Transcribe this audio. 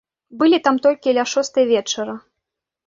Былі там толькі ля шостай вечара.